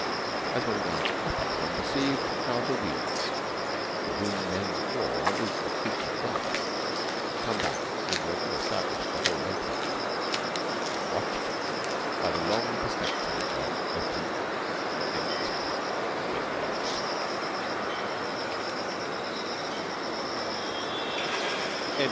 As one glanced up it, one perceived how the weeds, to whom men's war is the truce of God, had come back and were well established the whole length of it, watched by the long perspective of open, empty windows.